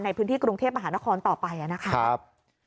ในพื้นที่กรุงเทพมหานครต่อไปนะครับ